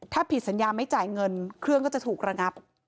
ถ้าผิดสัญญาไม่จ่ายเงินเครื่องก็จะถูกระงับ